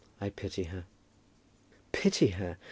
I pity her." "Pity her!